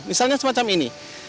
misalnya semacam ini